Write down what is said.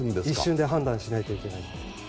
一瞬で判断しないといけない。